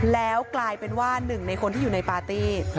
แล้วกลายเป็นว่าหนึ่งในคนที่อยู่ในปาร์ตี้